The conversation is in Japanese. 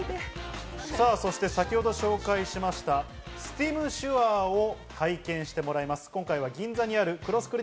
そして先程、紹介しましたスティムシュアーを体験してもらいます。